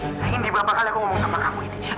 indi berapa kali aku ngomong sama kamu indi